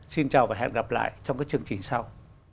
xin chào và hẹn gặp lại trong các chương trình sau